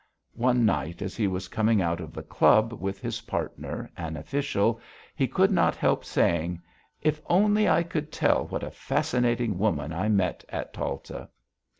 One night, as he was coming out of the club with his partner, an official, he could not help saying: "If only I could tell what a fascinating woman I met at Talta."